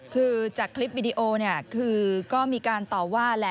คือจากคลิปวิดีโอก็มีการต่อว่า